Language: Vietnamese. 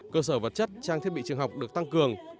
cơ sở vật chất trang thiết bị trường học được tăng cường